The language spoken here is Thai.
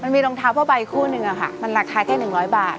มันมีรองเท้าพ่อไปอีกคู่หนึ่งอะค่ะมันราคาแค่หนึ่งร้อยบาท